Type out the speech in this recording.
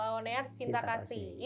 waoneak cinta kasih